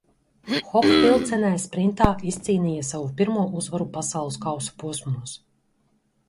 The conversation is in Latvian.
Hohfilcenē sprintā izcīnīja savu pirmo uzvaru Pasaules kausa posmos.